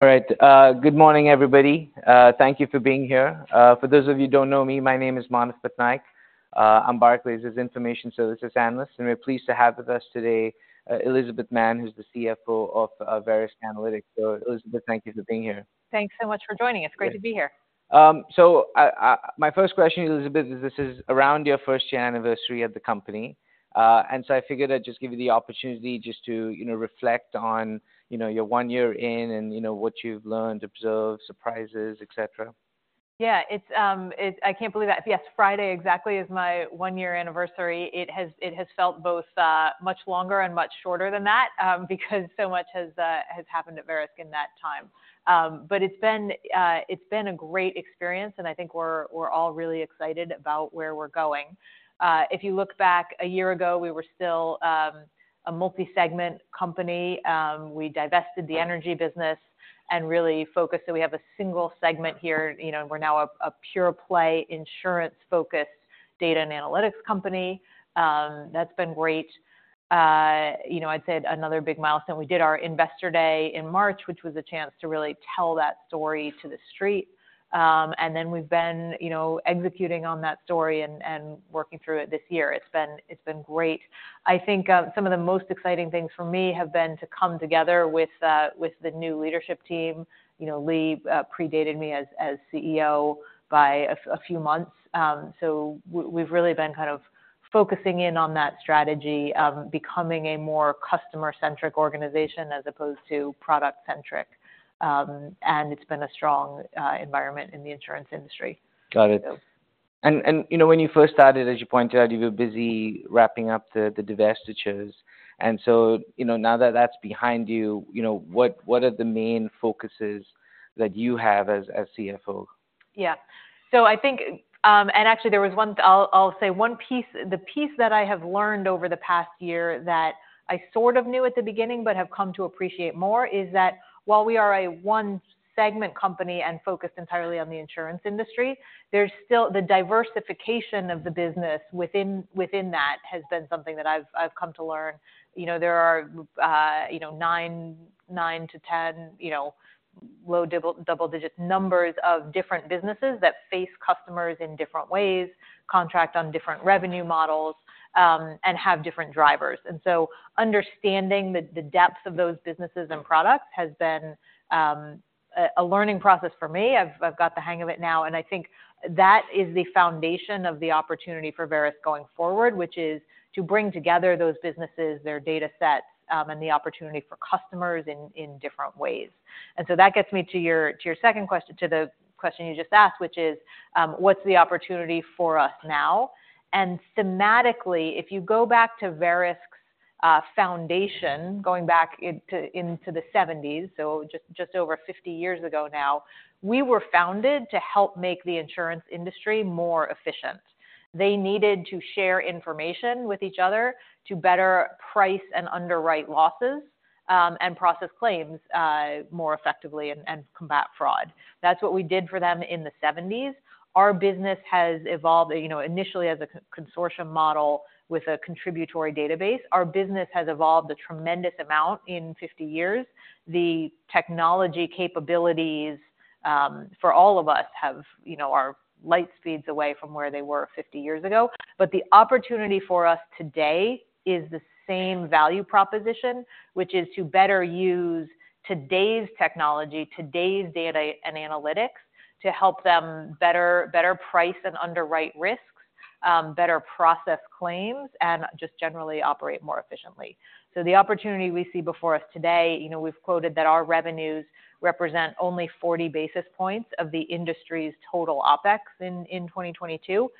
All right, good morning, everybody. Thank you for being here. For those of you who don't know me, my name is Manav Patnaik. I'm Barclays's Information Services analyst, and we're pleased to have with us today, Elizabeth Mann, who's the CFO of Verisk Analytics. So Elizabeth, thank you for being here. Thanks so much for joining us. Great to be here. So, my first question, Elizabeth, is this is around your first-year anniversary at the company. And so, I figured I'd just give you the opportunity just to, you know, reflect on, you know, you're one year in and, you know, what you've learned, observed, surprises, etc. Yeah, it's, I can't believe that. Yes, Friday exactly is my one-year anniversary. It has, it has felt both, much longer and much shorter than that, because so much has, has happened at Verisk in that time. But it's been, it's been a great experience, and I think we're, we're all really excited about where we're going. If you look back, a year ago, we were still, a multi-segment company. We divested the energy business and really focused, so we have a single segment here. You know, we're now a pure play, insurance-focused data and analytics company. That's been great. You know, I'd say another big milestone, we did our Investor Day in March, which was a chance to really tell that story to the street. Then we've been, you know, executing on that story and working through it this year. It's been great. I think some of the most exciting things for me have been to come together with the new leadership team. You know, Lee predated me as CEO by a few months. So we've really been kind of focusing in on that strategy of becoming a more customer-centric organization as opposed to product-centric. And it's been a strong environment in the insurance industry. Got it. And, you know, when you first started, as you pointed out, you were busy wrapping up the divestitures. And so, you know, now that that's behind you, you know, what are the main focuses that you have as CFO? Yeah. So I think, and actually, there was one piece – the piece that I have learned over the past year that I sort of knew at the beginning, but have come to appreciate more, is that while we are a one-segment company and focused entirely on the insurance industry, there's still the diversification of the business within that has been something that I've come to learn. You know, there are, you know, 9-10, you know, low double-digit numbers of different businesses that face customers in different ways, contract on different revenue models, and have different drivers. And so understanding the depth of those businesses and products has been a learning process for me. I've got the hang of it now, and I think that is the foundation of the opportunity for Verisk going forward, which is to bring together those businesses, their data sets, and the opportunity for customers in different ways. And so that gets me to your second question, to the question you just asked, which is, what's the opportunity for us now? And thematically, if you go back to Verisk's foundation, going back into the 1970s, so just over 50 years ago now, we were founded to help make the insurance industry more efficient. They needed to share information with each other to better price and underwrite losses, and process claims more effectively and combat fraud. That's what we did for them in the 1970s. Our business has evolved, you know, initially as a consortium model with a contributory database. Our business has evolved a tremendous amount in 50 years. The technology capabilities for all of us have, you know, are light-years away from where they were 50 years ago. But the opportunity for us today is the same value proposition, which is to better use today's technology, today's data and analytics, to help them better price and underwrite risks, better process claims, and just generally operate more efficiently. So the opportunity we see before us today, you know, we've quoted that our revenues represent only 40 basis points of the industry's total OpEx in 2022.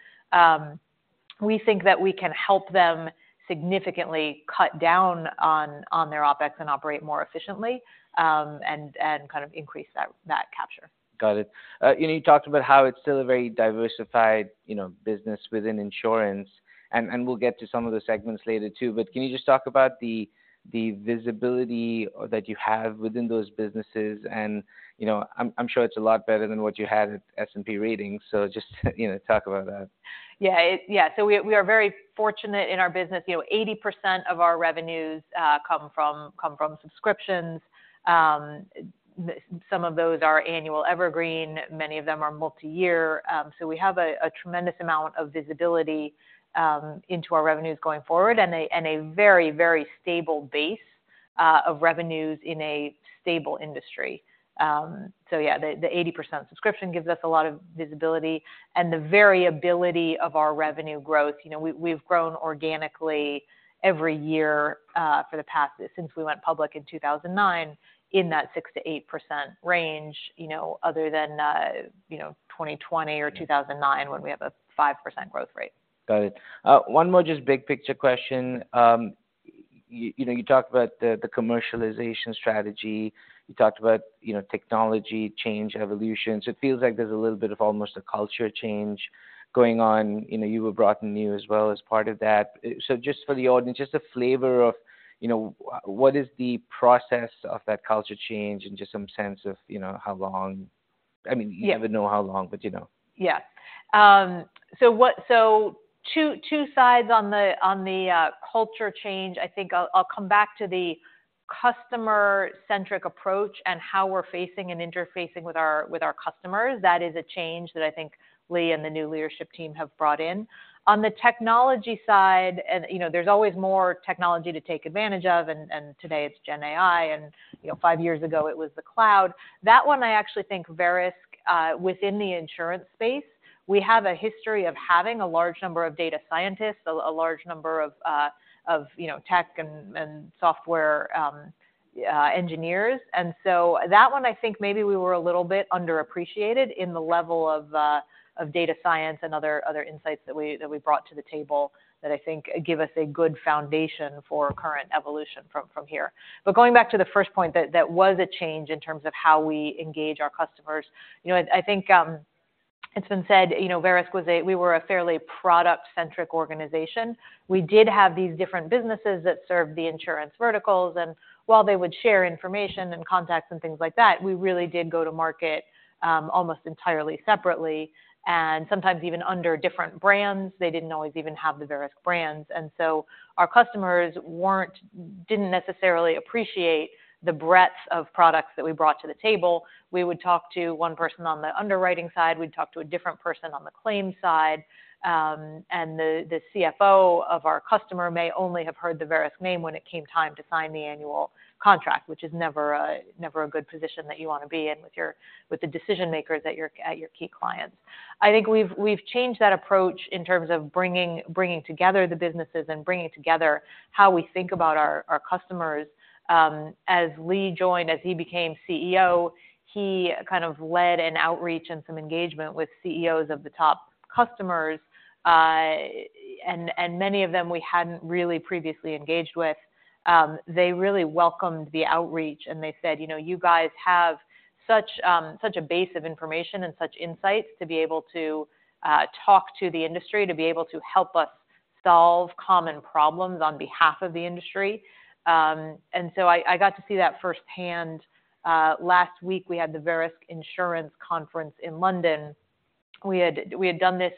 We think that we can help them significantly cut down on their OpEx and operate more efficiently, and kind of increase that capture. Got it. You know, you talked about how it's still a very diversified, you know, business within insurance, and we'll get to some of the segments later, too. But can you just talk about the visibility that you have within those businesses? And, you know, I'm sure it's a lot better than what you had at S&P Ratings. So just, you know, talk about that. Yeah, yeah, so we are very fortunate in our business. You know, 80% of our revenues come from subscriptions. Some of those are annual evergreen, many of them are multiyear. So we have a tremendous amount of visibility into our revenues going forward and a very, very stable base of revenues in a stable industry. So yeah, the 80% subscription gives us a lot of visibility and the variability of our revenue growth. You know, we've grown organically every year since we went public in 2009, in that 6%-8% range, you know, other than 2020 or 2009 when we have a 5% growth rate. Got it. One more just big picture question. You know, you talked about the commercialization strategy. You talked about, you know, technology change, evolution. So it feels like there's a little bit of almost a culture change going on. You know, you were brought in new as well as part of that. So just for the audience, just a flavor of, you know, what is the process of that culture change and just some sense of, you know, how long? I mean, you never know how long, but you know. Yeah. So two sides on the culture change. I think I'll come back to the customer-centric approach and how we're facing and interfacing with our customers. That is a change that I think Lee and the new leadership team have brought in. On the technology side, you know, there's always more technology to take advantage of, and today it's GenAI, and, you know, five years ago it was the cloud. That one, I actually think Verisk, within the insurance space, we have a history of having a large number of data scientists, so a large number of, you know, tech and software engineers. And so that one, I think maybe we were a little bit underappreciated in the level of data science and other insights that we brought to the table, that I think give us a good foundation for current evolution from here. But going back to the first point, that was a change in terms of how we engage our customers. You know, I think it's been said, you know, Verisk was a we were a fairly product-centric organization. We did have these different businesses that served the insurance verticals, and while they would share information and contacts and things like that, we really did go to market almost entirely separately, and sometimes even under different brands. They didn't always even have the Verisk brands. And so our customers weren't... Didn't necessarily appreciate the breadth of products that we brought to the table. We would talk to one person on the underwriting side, we'd talk to a different person on the claims side, and the CFO of our customer may only have heard the Verisk name when it came time to sign the annual contract, which is never a good position that you want to be in with the decision makers at your key clients. I think we've changed that approach in terms of bringing together the businesses and bringing together how we think about our customers. As Lee joined, as he became CEO, he kind of led an outreach and some engagement with CEOs of the top customers, and many of them we hadn't really previously engaged with. They really welcomed the outreach, and they said, "You know, you guys have such a base of information and such insights to be able to talk to the industry, to be able to help us solve common problems on behalf of the industry." And so I got to see that firsthand. Last week, we had the Verisk Insurance Conference in London. We had done this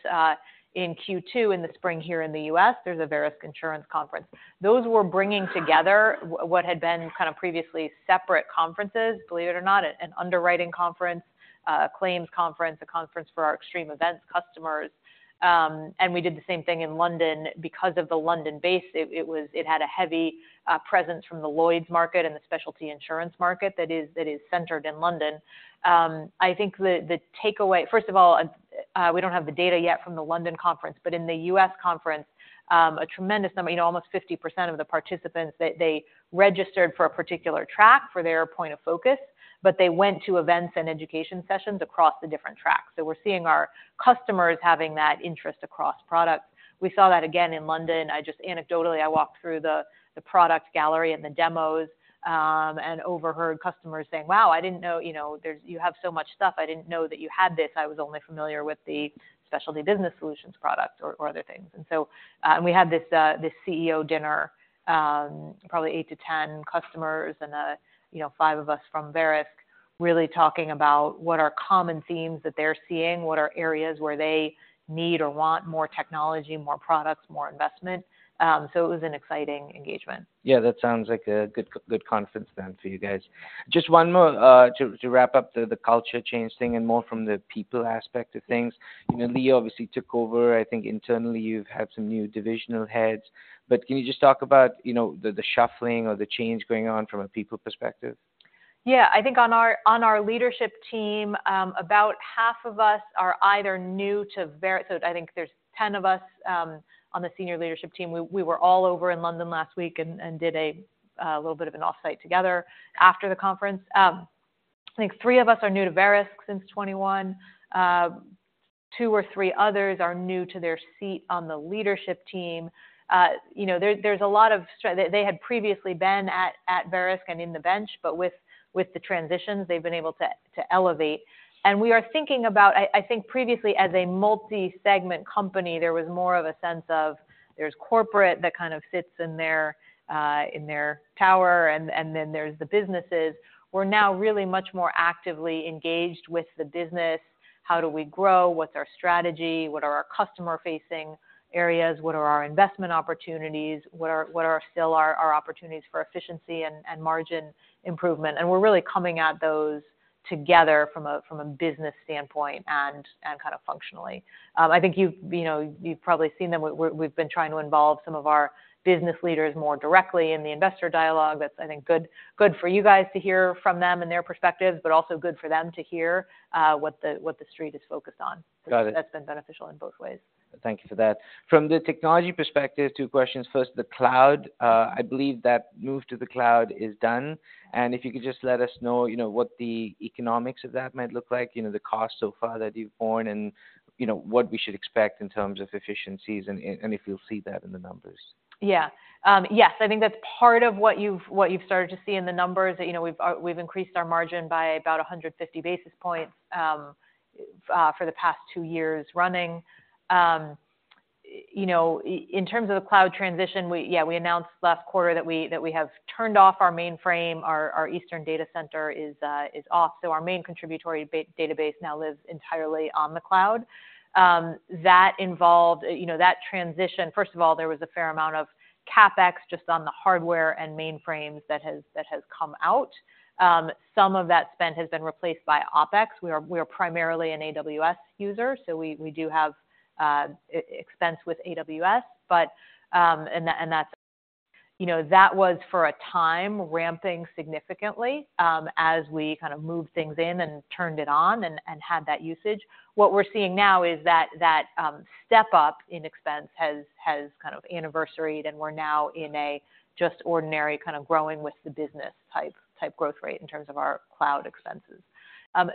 in Q2, in the spring here in the U.S., there's a Verisk Insurance Conference. Those were bringing together what had been kind of previously separate conferences, believe it or not, an underwriting conference, a claims conference, a conference for our extreme events customers. And we did the same thing in London. Because of the London base, it was-- it had a heavy presence from the Lloyd's market and the specialty insurance market that is centered in London. I think the takeaway, first of all, we don't have the data yet from the London conference, but in the U.S. conference, a tremendous number, you know, almost 50% of the participants, they registered for a particular track for their point of focus, but they went to events and education sessions across the different tracks. So we're seeing our customers having that interest across products. We saw that again in London. I just... Anecdotally, I walked through the product gallery and the demos, and overheard customers saying, "Wow, I didn't know, you know, there's- you have so much stuff. I didn't know that you had this. I was only familiar with the Specialty Business Solutions product or other things." And so, and we had this, this CEO dinner, probably 8-10 customers and, you know, five of us from Verisk, really talking about what are common themes that they're seeing, what are areas where they need or want more technology, more products, more investment. So it was an exciting engagement. Yeah, that sounds like a good conference then for you guys. Just one more to wrap up the culture change thing and more from the people aspect of things. You know, Lee obviously took over. I think internally, you've had some new divisional heads. But can you just talk about, you know, the shuffling or the change going on from a people perspective? Yeah. I think on our leadership team, about half of us are either new to Verisk—so I think there's 10 of us on the senior leadership team. We were all over in London last week and did a little bit of an off-site together after the conference. I think three of us are new to Verisk since 2021. Two or three others are new to their seat on the leadership team. You know, there's a lot of strength. They had previously been at Verisk and in the bench, but with the transitions, they've been able to elevate. And we are thinking about... I think previously as a multi-segment company, there was more of a sense of there's corporate that kind of sits in their tower, and then there's the businesses. We're now really much more actively engaged with the business. How do we grow? What's our strategy? What are our customer-facing areas? What are our investment opportunities? What are still our opportunities for efficiency and margin improvement? And we're really coming at those together from a business standpoint and kind of functionally. I think you've, you know, you've probably seen them. We're, we've been trying to involve some of our business leaders more directly in the investor dialogue. That's, I think, good for you guys to hear from them and their perspectives, but also good for them to hear what the street is focused on. Got it. That's been beneficial in both ways. Thank you for that. From the technology perspective, two questions. First, the cloud. I believe that move to the cloud is done, and if you could just let us know, you know, what the economics of that might look like, you know, the cost so far that you've borne, and, you know, what we should expect in terms of efficiencies and, and if you'll see that in the numbers. Yeah. Yes, I think that's part of what you've, what you've started to see in the numbers. You know, we've, we've increased our margin by about 150 basis points for the past two years running. You know, in terms of the cloud transition, we, yeah, we announced last quarter that we, that we have turned off our mainframe. Our, our eastern data center is, is off, so our main contributory database now lives entirely on the cloud. That involved, you know, that transition. First of all, there was a fair amount of CapEx just on the hardware and mainframes that has, that has come out. Some of that spend has been replaced by OpEx. We are, we are primarily an AWS user, so we, we do have expense with AWS. But, and that's, you know, that was, for a time, ramping significantly, as we kind of moved things in and turned it on and had that usage. What we're seeing now is that step up in expense has kind of anniversaried, and we're now in a just ordinary kind of growing with the business type growth rate in terms of our cloud expenses.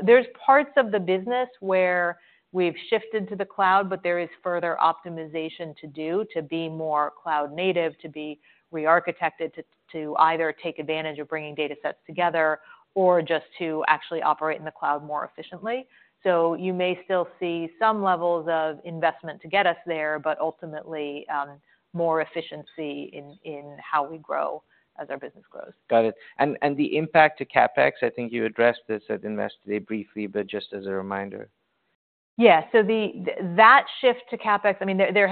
There's parts of the business where we've shifted to the cloud, but there is further optimization to do to be more cloud native, to be rearchitected, to either take advantage of bringing datasets together or just to actually operate in the cloud more efficiently. So you may still see some levels of investment to get us there, but ultimately, more efficiency in how we grow as our business grows. Got it. And, the impact to CapEx, I think you addressed this at Investor Day briefly, but just as a reminder. Yeah. So that shift to CapEx, I mean, there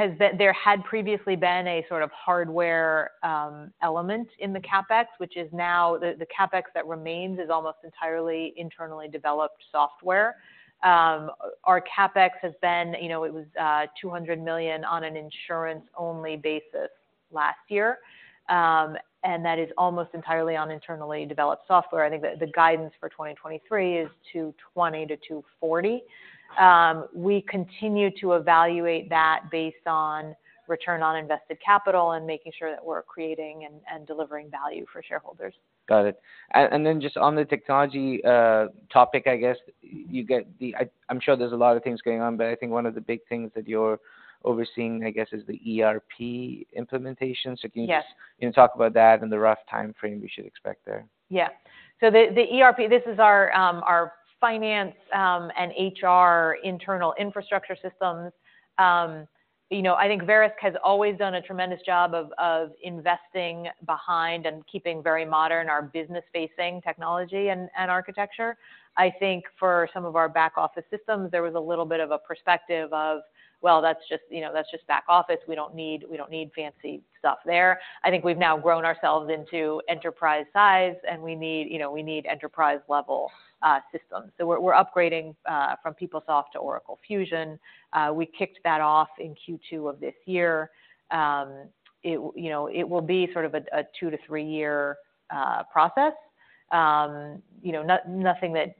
had previously been a sort of hardware element in the CapEx, which is now the CapEx that remains is almost entirely internally developed software. Our CapEx has been, you know, it was $200 million on an insurance-only basis last year, and that is almost entirely on internally developed software. I think the guidance for 2023 is $220 million-$240 million. We continue to evaluate that based on return on invested capital and making sure that we're creating and delivering value for shareholders. Got it. And then just on the technology topic, I guess, you get the... I'm sure there's a lot of things going on, but I think one of the big things that you're overseeing, I guess, is the ERP implementation. Yes. Can you just, you know, talk about that and the rough timeframe we should expect there? Yeah. So the ERP, this is our finance and HR internal infrastructure systems. You know, I think Verisk has always done a tremendous job of investing behind and keeping very modern our business-facing technology and architecture. I think for some of our back office systems, there was a little bit of a perspective of, Well, that's just, you know, that's just back office. We don't need, we don't need fancy stuff there. I think we've now grown ourselves into enterprise size, and we need, you know, we need enterprise-level systems. So we're upgrading from PeopleSoft to Oracle Fusion. We kicked that off in Q2 of this year. It, you know, it will be sort of a two-three-year process. You know, nothing that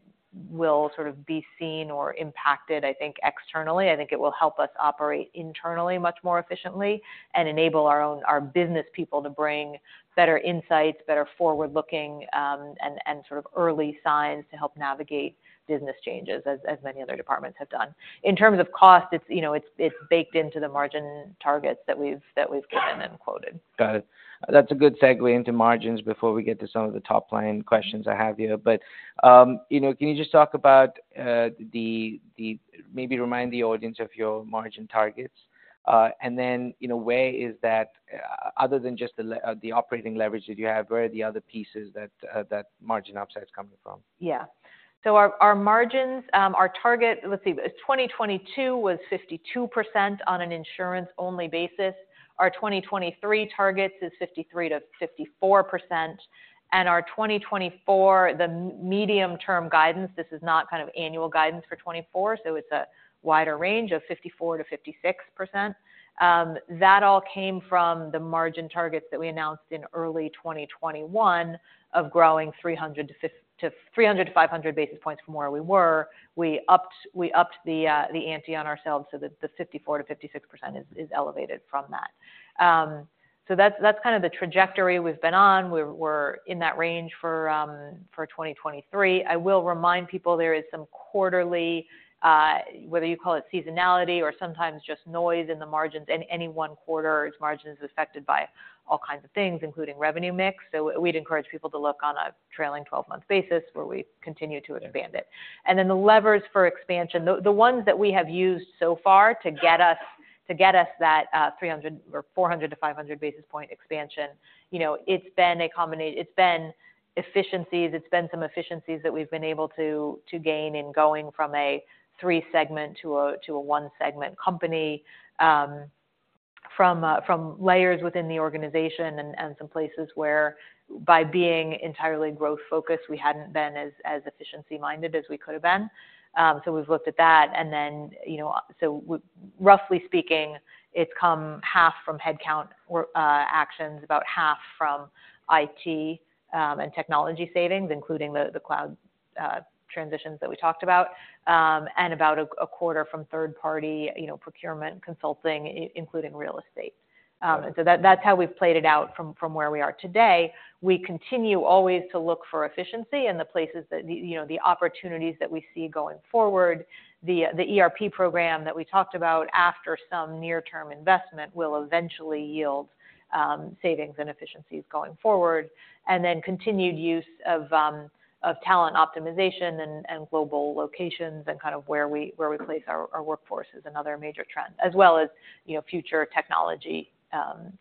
will sort of be seen or impacted, I think, externally. I think it will help us operate internally much more efficiently and enable our own business people to bring better insights, better forward-looking, and sort of early signs to help navigate business changes, as many other departments have done. In terms of cost, it's, you know, it's baked into the margin targets that we've given and quoted. Got it. That's a good segue into margins before we get to some of the top-line questions I have here. But, you know, can you just talk about the... maybe remind the audience of your margin targets? And then, in a way, is that other than just the le- the operating leverage that you have, where are the other pieces that margin upside is coming from? Yeah. So our margins, our target, let's see, 2022 was 52% on an insurance-only basis. Our 2023 targets is 53%-54%, and our 2024, the medium-term guidance, this is not kind of annual guidance for 2024, so it's a wider range of 54%-56%. That all came from the margin targets that we announced in early 2021 of growing 300-500 basis points from where we were. We upped the ante on ourselves so that the 54%-56% is elevated from that. So that's kind of the trajectory we've been on. We're in that range for 2023. I will remind people there is some quarterly, whether you call it seasonality or sometimes just noise in the margins. In any one quarter, its margin is affected by all kinds of things, including revenue mix. So we'd encourage people to look on a trailing twelve-month basis, where we continue to expand it. Got it. And then the levers for expansion, the ones that we have used so far to get us, to get us that 300 or 400-500 basis point expansion, you know, it's been a combination. It's been efficiencies, it's been some efficiencies that we've been able to gain in going from a three-segment to a one-segment company, from layers within the organization and some places where, by being entirely growth focused, we hadn't been as efficiency-minded as we could have been. So we've looked at that. And then, you know, so roughly speaking, it's come half from headcount or actions, about half from IT and technology savings, including the cloud transitions that we talked about, and about a quarter from third party procurement consulting, including real estate. Got it. And so that's how we've played it out from where we are today. We continue always to look for efficiency in the places that, you know, the opportunities that we see going forward. The ERP program that we talked about after some near-term investment will eventually yield savings and efficiencies going forward, and then continued use of talent optimization and global locations and kind of where we place our workforce is another major trend, as well as, you know, future technology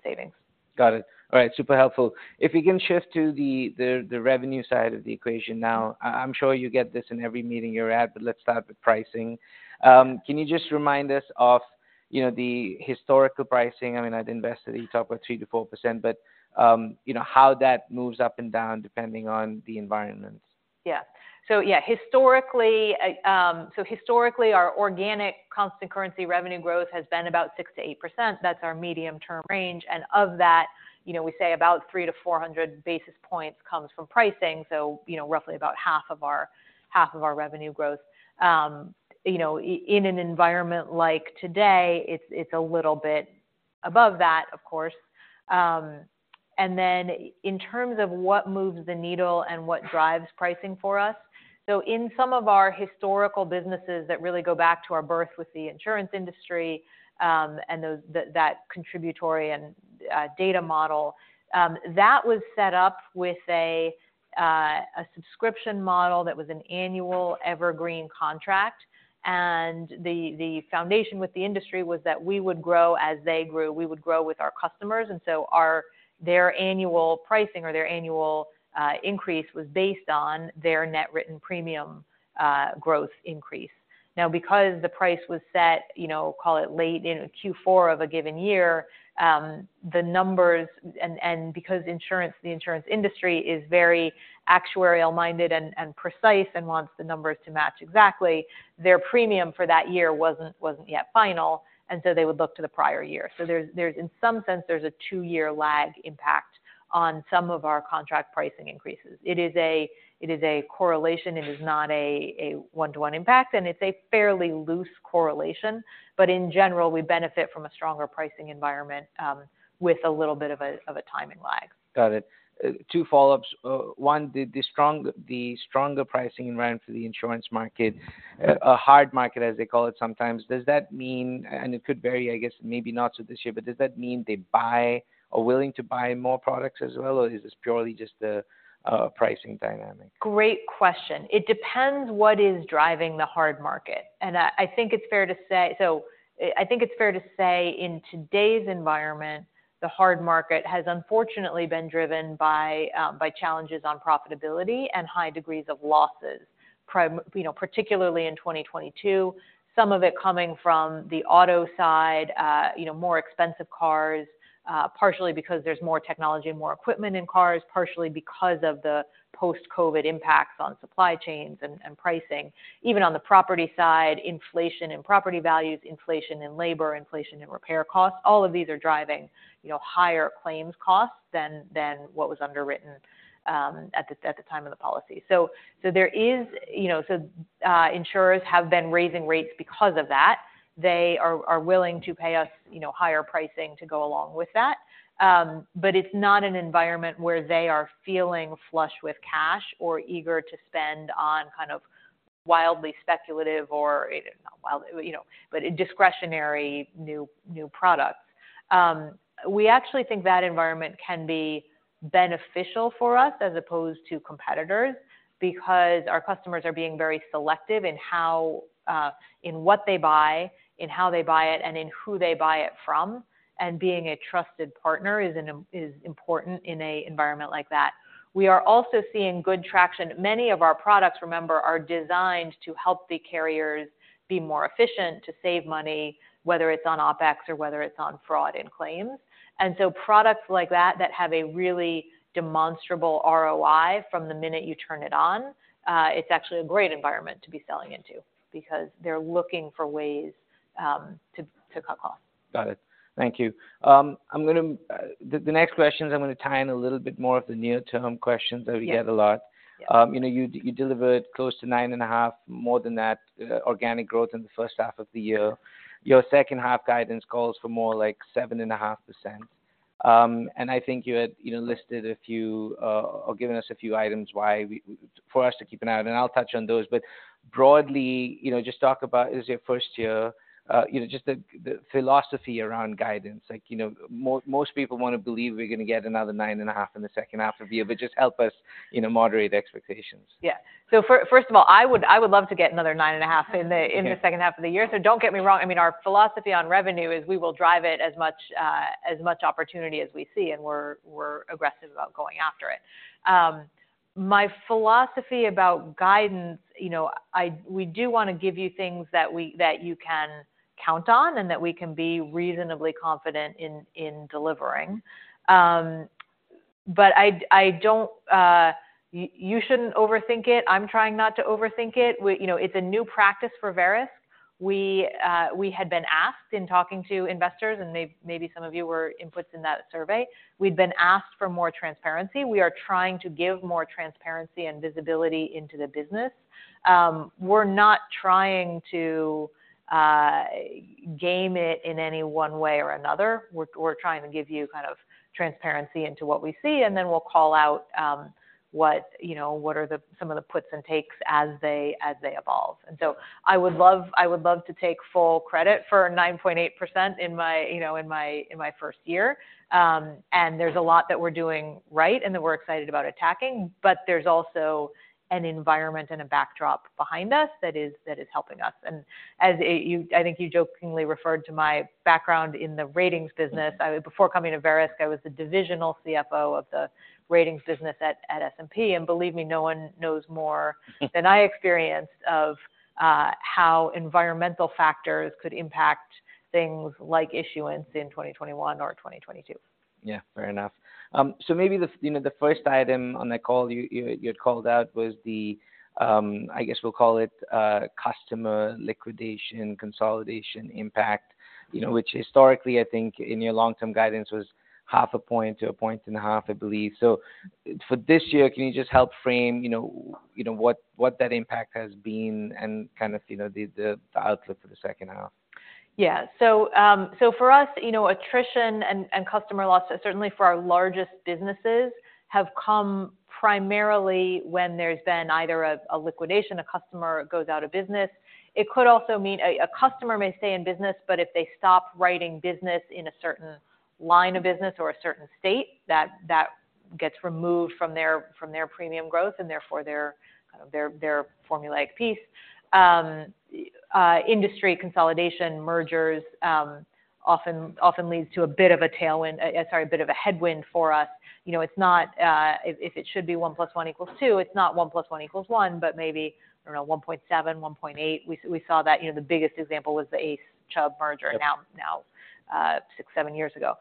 savings. Got it. All right, super helpful. If you can shift to the revenue side of the equation now. I'm sure you get this in every meeting you're at, but let's start with pricing. Can you just remind us of you know, the historical pricing? I mean, I'd invest at least up to 3%-4%, but you know, how that moves up and down depending on the environments. Yeah. So, yeah, historically, so historically, our organic constant currency revenue growth has been about 6%-8%. That's our medium-term range. And of that, you know, we say about 300-400 basis points comes from pricing, so, you know, roughly about half of our, half of our revenue growth. You know, in an environment like today, it's, it's a little bit above that, of course. And then in terms of what moves the needle and what drives pricing for us, so in some of our historical businesses that really go back to our birth with the insurance industry, and those that, that contributory and data model, that was set up with a a subscription model that was an annual evergreen contract. And the, the foundation with the industry was that we would grow as they grew. We would grow with our customers, and so our—their annual pricing or their annual increase was based on their Net Written Premium growth increase. Now, because the price was set, you know, call it late in Q4 of a given year, the numbers—and, and because insurance, the insurance industry is very actuarial-minded and, and precise and wants the numbers to match exactly, their premium for that year wasn't, wasn't yet final, and so they would look to the prior year. So there's, there's... in some sense, there's a two-year lag impact on some of our contract pricing increases. It is a, it is a correlation, it is not a, a one-to-one impact, and it's a fairly loose correlation. But in general, we benefit from a stronger pricing environment, with a little bit of a, of a timing lag. Got it. Two follow-ups. One, the stronger pricing environment for the insurance market, a hard market, as they call it sometimes, does that mean... and it could vary, I guess, maybe not so this year, but does that mean they buy or willing to buy more products as well, or is this purely just a pricing dynamic? Great question. It depends what is driving the hard market. I think it's fair to say in today's environment, the hard market has unfortunately been driven by challenges on profitability and high degrees of losses, you know, particularly in 2022. Some of it coming from the auto side, you know, more expensive cars, partially because there's more technology and more equipment in cars, partially because of the post-COVID impacts on supply chains and pricing. Even on the property side, inflation in property values, inflation in labor, inflation in repair costs, all of these are driving, you know, higher claims costs than what was underwritten at the time of the policy. So insurers have been raising rates because of that. They are willing to pay us, you know, higher pricing to go along with that. But it's not an environment where they are feeling flush with cash or eager to spend on kind of wildly speculative or not wildly, you know, but discretionary new products. We actually think that environment can be beneficial for us as opposed to competitors, because our customers are being very selective in how in what they buy, in how they buy it, and in who they buy it from. Being a trusted partner is important in an environment like that. We are also seeing good traction. Many of our products, remember, are designed to help the carriers be more efficient, to save money, whether it's on OpEx or whether it's on fraud and claims. And so products like that, that have a really demonstrable ROI from the minute you turn it on, it's actually a great environment to be selling into because they're looking for ways to cut costs. Got it. Thank you. I'm gonna... The next questions, I'm gonna tie in a little bit more of the near-term questions that we get a lot. Yeah. You know, you delivered close to 9.5, more than that, organic growth in the first half of the year. Your second half guidance calls for more like 7.5%. And I think you had, you know, listed a few, or given us a few items why for us to keep an eye on, and I'll touch on those. But broadly, you know, just talk about, this is your first year, you know, just the philosophy around guidance. Like, you know, most people want to believe we're gonna get another 9.5 in the second half of the year, but just help us, you know, moderate expectations. Yeah. So first of all, I would, I would love to get another 9.5 in the- Yeah... in the second half of the year. So don't get me wrong. I mean, our philosophy on revenue is we will drive it as much as much opportunity as we see, and we're, we're aggressive about going after it. My philosophy about guidance, you know, we do want to give you things that you can count on and that we can be reasonably confident in in delivering. But I, I don't... You shouldn't overthink it. I'm trying not to overthink it. You know, it's a new practice for Verisk. We, we had been asked in talking to investors, and maybe some of you were inputs in that survey. We've been asked for more transparency. We are trying to give more transparency and visibility into the business. We're not trying to game it in any one way or another. We're trying to give you kind of transparency into what we see, and then we'll call out what, you know, some of the puts and takes as they evolve. So I would love to take full credit for 9.8% in my, you know, first year. And there's a lot that we're doing right and that we're excited about attacking, but there's also an environment and a backdrop behind us that is helping us. And as you, I think you jokingly referred to my background in the ratings business. Before coming to Verisk, I was the divisional CFO of the ratings business at S&P. Believe me, no one knows more than I experienced of how environmental factors could impact things like issuance in 2021 or 2022. Yeah, fair enough. So maybe the you know the first item on the call you had called out was the I guess we'll call it customer liquidation, consolidation impact you know which historically I think in your long-term guidance was 0.5-1.5 points I believe. So for this year can you just help frame you know what that impact has been and kind of you know the outlook for the second half? ... Yeah. So, so for us, you know, attrition and, and customer loss, certainly for our largest businesses, have come primarily when there's been either a, a liquidation, a customer goes out of business. It could also mean a, a customer may stay in business, but if they stop writing business in a certain line of business or a certain state, that, that gets removed from their, from their premium growth, and therefore their, their, their formulaic piece. Industry consolidation, mergers, often, often leads to a bit of a tailwind, sorry, a bit of a headwind for us. You know, it's not, if, if it should be 1 + 1 = 2, it's not 1 + 1 = 1, but maybe, I don't know, 1.7, 1.8. We saw that, you know, the biggest example was the ACE Chubb merger now six, seven years ago.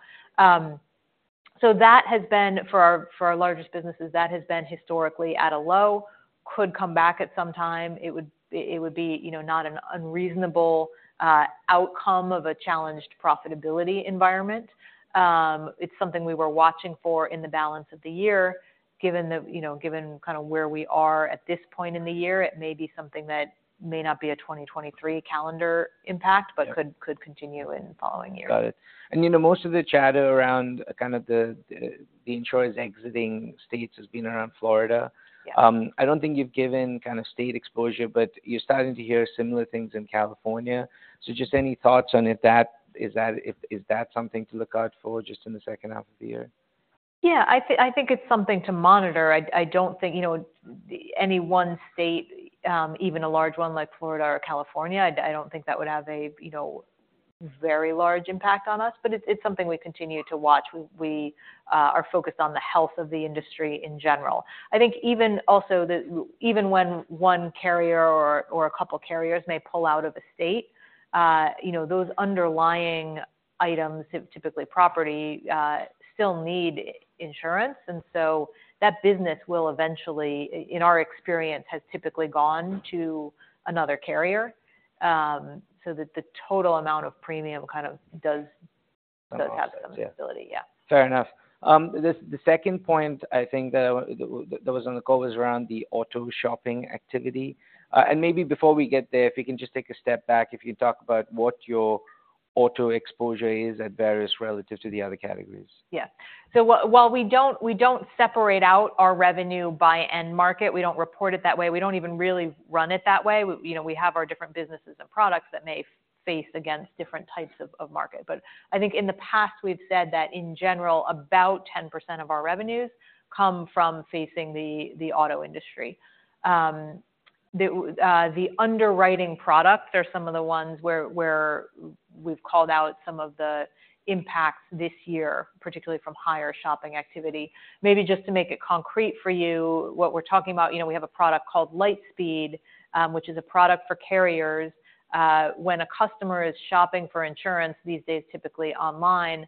So that has been for our largest businesses, that has been historically at a low, could come back at some time. It would be, you know, not an unreasonable outcome of a challenged profitability environment. It's something we were watching for in the balance of the year, given the... You know, given kind of where we are at this point in the year, it may be something that may not be a 2023 calendar impact, but could continue in following years. Got it. And, you know, most of the chatter around kind of the insurers exiting states has been around Florida. Yeah. I don't think you've given kind of state exposure, but you're starting to hear similar things in California. So just any thoughts on if that is something to look out for just in the second half of the year? Yeah, I think it's something to monitor. I don't think, you know, any one state, even a large one like Florida or California, I don't think that would have a, you know, very large impact on us, but it's something we continue to watch. We are focused on the health of the industry in general. I think even when one carrier or a couple of carriers may pull out of a state, you know, those underlying items, typically property, still need insurance, and so that business will eventually, in our experience, has typically gone to another carrier. So that the total amount of premium kind of does have some stability, yeah. Fair enough. The second point I think that was on the call was around the auto shopping activity. And maybe before we get there, if you can just take a step back, if you talk about what your auto exposure is at various relative to the other categories. Yeah. So while we don't, we don't separate out our revenue by end market, we don't report it that way, we don't even really run it that way. You know, we have our different businesses and products that may face against different types of market. But I think in the past, we've said that in general, about 10% of our revenues come from facing the auto industry. The underwriting products are some of the ones where we've called out some of the impacts this year, particularly from higher shopping activity. Maybe just to make it concrete for you, what we're talking about, you know, we have a product called LightSpeed, which is a product for carriers. When a customer is shopping for insurance these days, typically online,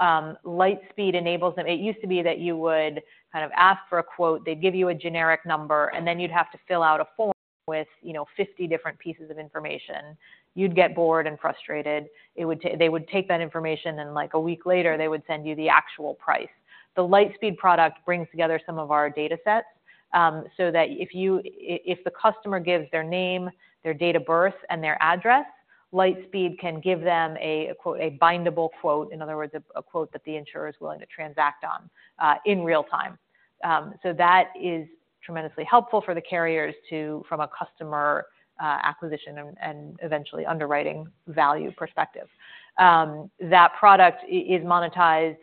LightSpeed enables them... It used to be that you would kind of ask for a quote, they'd give you a generic number, and then you'd have to fill out a form with, you know, 50 different pieces of information. You'd get bored and frustrated. It would they would take that information, and, like, a week later, they would send you the actual price. The LightSpeed product brings together some of our datasets, so that if you, if the customer gives their name, their date of birth, and their address, LightSpeed can give them a quote, a bindable quote, in other words, a, a quote that the insurer is willing to transact on, in real time. So that is tremendously helpful for the carriers to, from a customer, acquisition and, and eventually underwriting value perspective. That product is monetized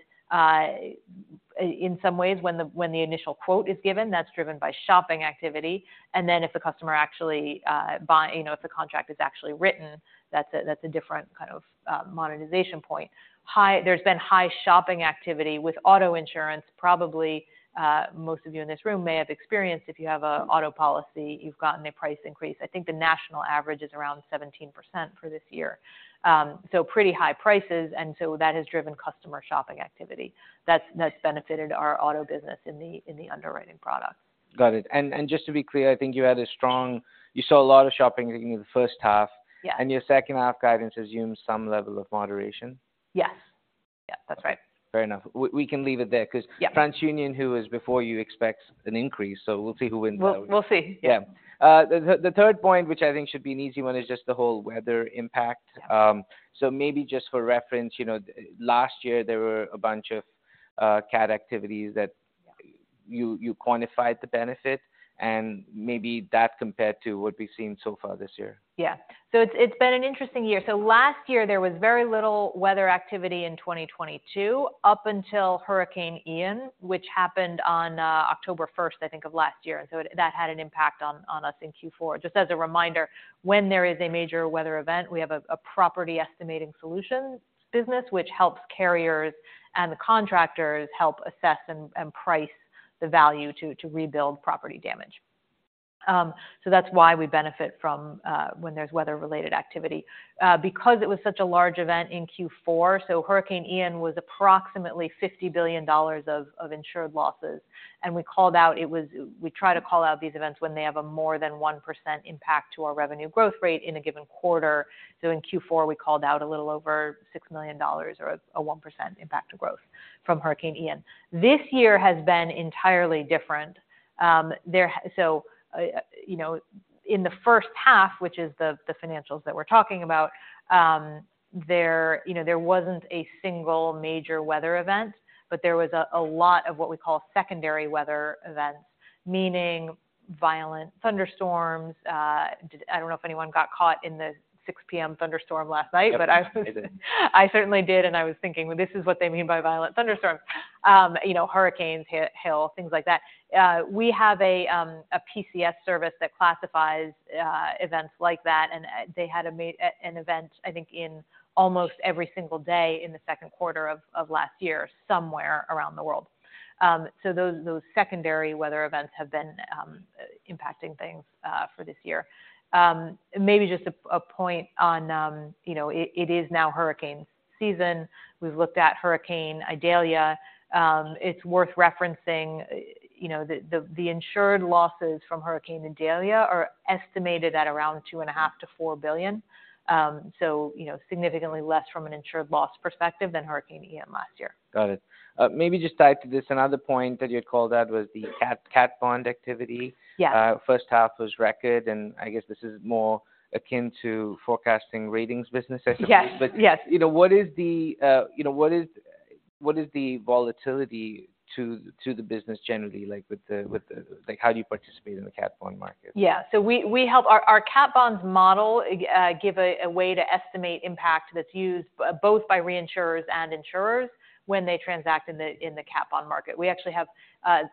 in some ways, when the initial quote is given, that's driven by shopping activity, and then if the customer actually buys. You know, if the contract is actually written, that's a different kind of monetization point. There's been high shopping activity with auto insurance. Probably, most of you in this room may have experienced if you have a auto policy, you've gotten a price increase. I think the national average is around 17% for this year. So pretty high prices, and so that has driven customer shopping activity. That's benefited our auto business in the underwriting product. Got it. And, just to be clear, I think you had a strong, you saw a lot of shopping in the first half. Yeah. Your second half guidance assumes some level of moderation? Yes. Yeah, that's right. Fair enough. We can leave it there- Yeah... because TransUnion, who was before you, expects an increase, so we'll see who wins that. We'll see. Yeah. The third point, which I think should be an easy one, is just the whole weather impact. Yeah. So maybe just for reference, you know, last year there were a bunch of cat activities that- Yeah You quantified the benefit, and maybe that compared to what we've seen so far this year. Yeah. So it's been an interesting year. So last year, there was very little weather activity in 2022, up until Hurricane Ian, which happened on October 1, I think, of last year, and so that had an impact on us in Q4. Just as a reminder, when there is a major weather event, we have a Property Estimating Solutions business, which helps carriers and the contractors assess and price the value to rebuild property damage. So that's why we benefit from when there's weather-related activity. Because it was such a large event in Q4, so Hurricane Ian was approximately $50 billion of insured losses, and we called out it was... We try to call out these events when they have a more than 1% impact to our revenue growth rate in a given quarter. So in Q4, we called out a little over $6 million or a 1% impact to growth from Hurricane Ian. This year has been entirely different. So, you know, in the first half, which is the financials that we're talking about, there, you know, there wasn't a single major weather event, but there was a lot of what we call secondary weather events, meaning violent thunderstorms. I don't know if anyone got caught in the 6:00 P.M. thunderstorm last night, but I - I did. I certainly did, and I was thinking, "Well, this is what they mean by violent thunderstorms." You know, hurricanes, hail, things like that. We have a PCS service that classifies events like that, and they had an event, I think, in almost every single day in the second quarter of last year, somewhere around the world. So those secondary weather events have been impacting things for this year. Maybe just a point on, you know, it is now hurricane season. We've looked at Hurricane Idalia. It's worth referencing, you know, the insured losses from Hurricane Idalia are estimated at around $2.5 billion-$4 billion. So, you know, significantly less from an insured loss perspective than Hurricane Ian last year. Got it. Maybe just tie to this, another point that you called out was the cat bond activity. Yeah. First half was record, and I guess this is more akin to forecasting ratings business, essentially. Yes, yes. But, you know, what is the volatility to the business generally, like with the... Like, how do you participate in the cat bond market? Yeah. So we help. Our cat bonds model give a way to estimate impact that's used both by reinsurers and insurers when they transact in the cat bond market. We actually have.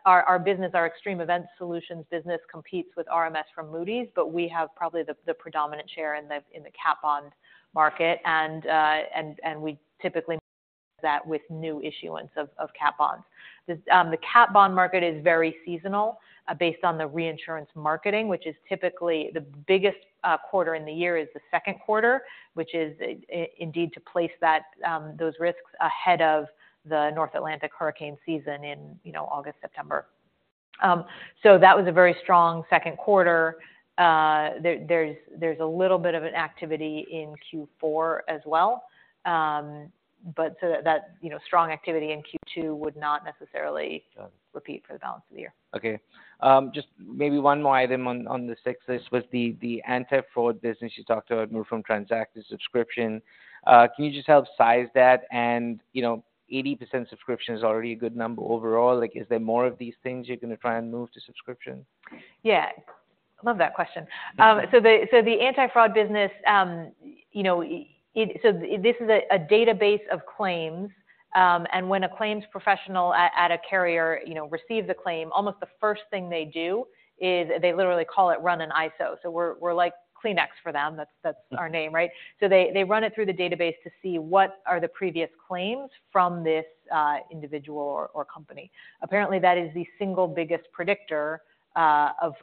Our business, our Extreme Events Solutions business competes with RMS from Moody's, but we have probably the predominant share in the cat bond market, and we typically that with new issuance of cat bonds. The cat bond market is very seasonal, based on the reinsurance marketing, which is typically the biggest quarter in the year is the second quarter, which is indeed to place those risks ahead of the North Atlantic hurricane season in, you know, August, September. So that was a very strong second quarter. There's a little bit of activity in Q4 as well. But so that, you know, strong activity in Q2 would not necessarily- Got it. Repeat for the balance of the year. Okay. Just maybe one more item on, on the success was the, the anti-fraud business you talked about, moved from transact to subscription. Can you just help size that? And, you know, 80% subscription is already a good number overall. Like, is there more of these things you're gonna try and move to subscription? Yeah. Love that question. So the anti-fraud business, you know, this is a database of claims, and when a claims professional at a carrier, you know, receives a claim, almost the first thing they do is they literally call it run an ISO. So we're like Kleenex for them. That's our name, right? So they, they run it through the database to see what are the previous claims from this individual or company. Apparently, that is the single biggest predictor of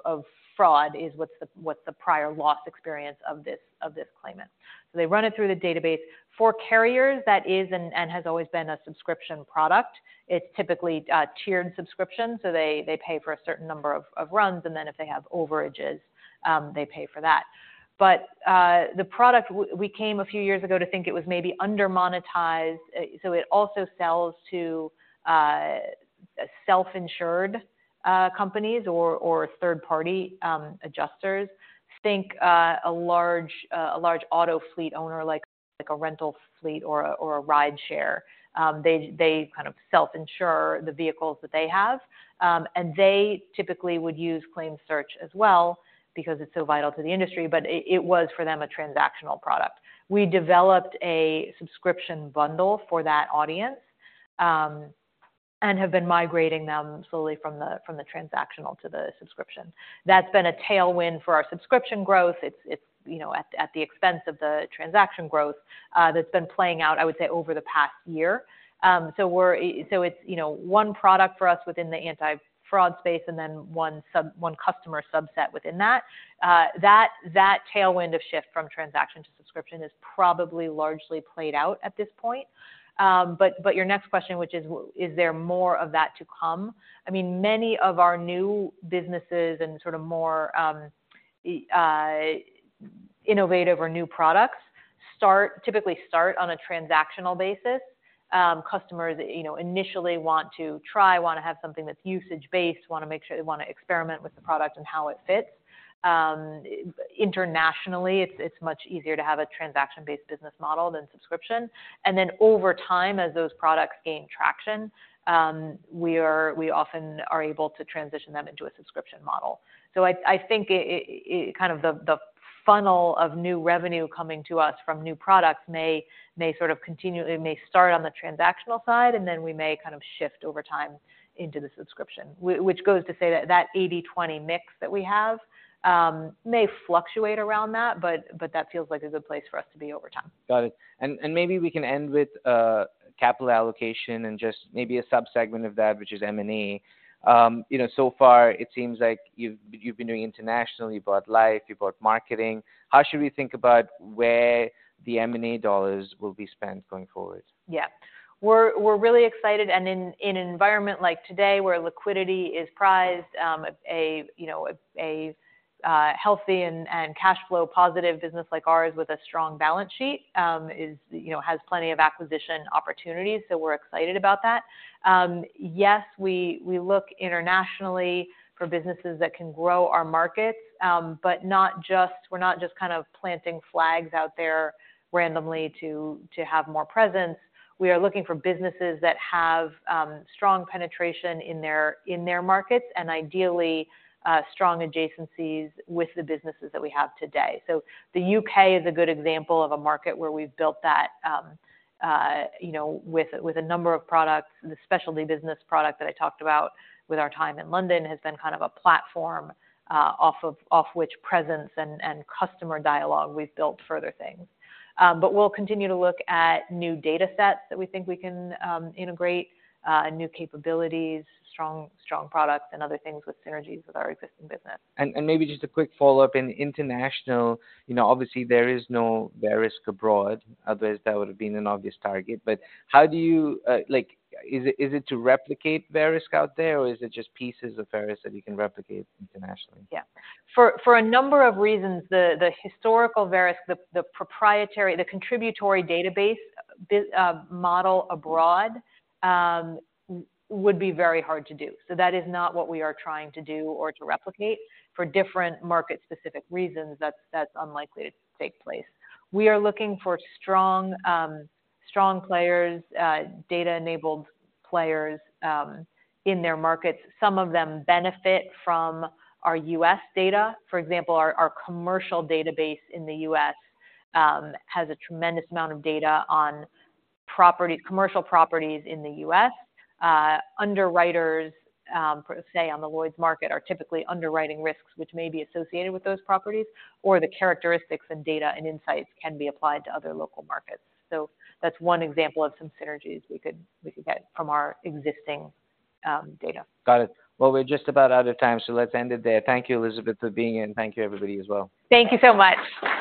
fraud, is what's the prior loss experience of this claimant. So they run it through the database. For carriers, that is and has always been a subscription product. It's typically a tiered subscription, so they pay for a certain number of runs, and then if they have overages, they pay for that. But the product we came a few years ago to think it was maybe under-monetized, so it also sells to self-insured companies or third-party adjusters. Think a large auto fleet owner, like a rental fleet or a rideshare. They, they kind of self-insure the vehicles that they have, and they typically would use ClaimSearch as well because it's so vital to the industry, but it, it was, for them, a transactional product. We developed a subscription bundle for that audience, and have been migrating them slowly from the, from the transactional to the subscription. That's been a tailwind for our subscription growth. It's, it's, you know, at, at the expense of the transaction growth, that's been playing out, I would say, over the past year. So it's, you know, one product for us within the anti-fraud space, and then one customer subset within that. That, that tailwind of shift from transaction to subscription is probably largely played out at this point. But, but your next question, which is: is there more of that to come? I mean, many of our new businesses and sort of more innovative or new products typically start on a transactional basis. Customers, you know, initially want to try, want to have something that's usage-based, want to make sure they want to experiment with the product and how it fits. Internationally, it's much easier to have a transaction-based business model than subscription. And then over time, as those products gain traction, we often are able to transition them into a subscription model. So I think kind of the funnel of new revenue coming to us from new products may sort of continue. It may start on the transactional side, and then we may kind of shift over time into the subscription. Which goes to say that, that 80/20 mix that we have may fluctuate around that, but, but that feels like a good place for us to be over time. Got it. And maybe we can end with capital allocation and just maybe a subsegment of that, which is M&A. You know, so far, it seems like you've been doing internationally, you bought Life, you bought Marketing. How should we think about where the M&A dollars will be spent going forward? Yeah. We're really excited, and in an environment like today, where liquidity is prized, a healthy and cash flow positive business like ours with a strong balance sheet, you know, has plenty of acquisition opportunities, so we're excited about that. Yes, we look internationally for businesses that can grow our markets, but not just- we're not just kind of planting flags out there randomly to have more presence. We are looking for businesses that have strong penetration in their markets and ideally strong adjacencies with the businesses that we have today. So the U.K. is a good example of a market where we've built that, you know, with a number of products, the specialty business product that I talked about with our time in London, has been kind of a platform off of which presence and customer dialogue we've built further things. But we'll continue to look at new data sets that we think we can integrate, and new capabilities, strong products and other things with synergies with our existing business. And maybe just a quick follow-up. In international, you know, obviously there is no Verisk abroad, otherwise that would have been an obvious target. But how do you, Like, is it, is it to replicate Verisk out there, or is it just pieces of Verisk that you can replicate internationally? Yeah. For a number of reasons, the historical Verisk, the proprietary, the contributory database model abroad, would be very hard to do. So that is not what we are trying to do or to replicate. For different market-specific reasons, that's unlikely to take place. We are looking for strong players, data-enabled players, in their markets. Some of them benefit from our U.S. data. For example, our commercial database in the U.S. has a tremendous amount of data on property-commercial properties in the U.S. Underwriters, say, on the Lloyd's market, are typically underwriting risks which may be associated with those properties, or the characteristics and data and insights can be applied to other local markets. So that's one example of some synergies we could get from our existing data. Got it. Well, we're just about out of time, so let's end it there. Thank you, Elizabeth, for being in. Thank you, everybody, as well. Thank you so much!